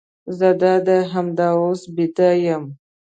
زه دادي همدا اوس بیده یم.